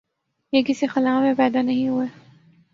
یہ کسی خلا میں پیدا نہیں ہوئے۔